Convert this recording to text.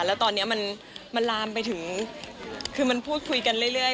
แล้วตอนนี้มันลามไปถึงคือมันพูดคุยกันเรื่อย